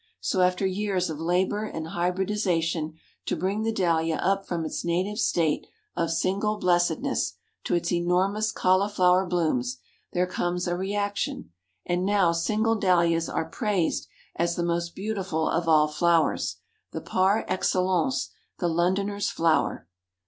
So after years of labor and hybridization to bring the Dahlia up from its native state of single blessedness, to its enormous cauliflower blooms, there comes a reaction, and now single Dahlias are praised as "the most beautiful of all flowers," the "par excellence the Londoner's flower!"